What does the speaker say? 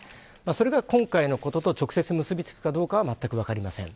それが今回のことと直接結びつくかどうかはまったく分かりません。